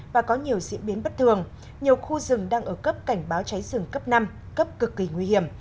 và có nhiều diễn biến bất thường nhiều khu rừng đang ở cấp cảnh báo cháy rừng cấp năm cấp cực kỳ nguy hiểm